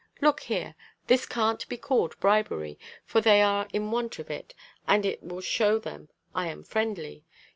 Look here! This can't be called bribery, for they are in want of it, and it will show them I am friendly.